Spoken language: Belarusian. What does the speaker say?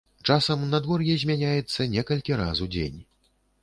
Часам надвор'е змяняецца некалькі раз у дзень.